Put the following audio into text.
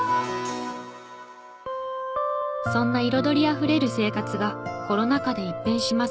そんな彩りあふれる生活がコロナ禍で一変します。